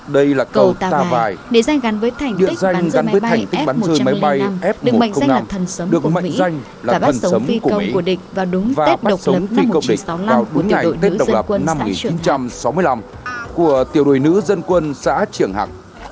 đây là cầu tà vài địa danh gắn với thành tích bắn rơi máy bay f một trăm năm mươi năm được mệnh danh là thần sấm của mỹ và bát sống phi công của địch vào đúng tết độc lập năm một nghìn chín trăm sáu mươi năm của tiểu đội nữ dân quân xã triển hạc